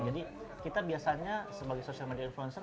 jadi kita biasanya sebagai social media influencer